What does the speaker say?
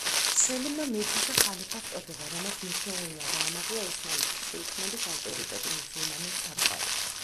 სელიმმა მიითვისა ხალიფას წოდება, რამაც მნიშვნელოვნად აამაღლა ოსმალეთის სულთნების ავტორიტეტი მუსულმანურ სამყაროში.